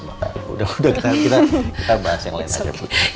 udah udah kita bahas yang lain aja